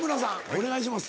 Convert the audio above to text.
お願いします。